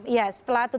ya setelah atut